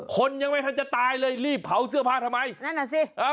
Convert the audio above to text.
คนยังไม่ทันจะตายเลยรีบเผาเสื้อผ้าทำไมนั่นอ่ะสิเออ